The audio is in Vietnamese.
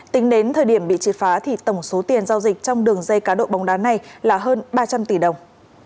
tính đến thời điểm bị trị phá thì tổng số tiền giao dịch trong đường dây cá đụ bông đá này là hơn ba trăm linh tỷ đồng